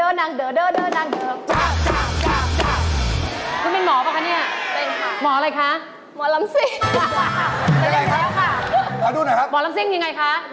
ป๊ากเราคงจะเล่นกันคนที่โรยของ